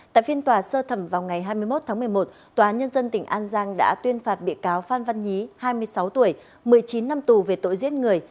tại phiên tòa sơ thẩm vào ngày hai mươi một tháng một mươi một tòa nhân dân tỉnh an giang đã tuyên phạt bị cáo phan văn nhí hai mươi sáu tuổi một mươi chín năm tù về tội giết người